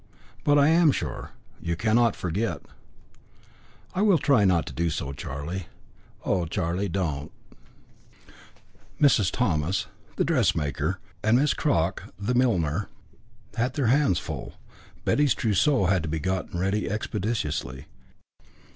"But I am sure you cannot forget." "I will try not to do so. Oh, Charlie, don't!" Mrs. Thomas, the dressmaker, and Miss Crock, the milliner, had their hands full. Betty's trousseau had to be got ready expeditiously.